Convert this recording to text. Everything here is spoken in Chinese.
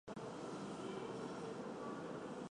夏威夷航空是夏威夷最大的航空公司。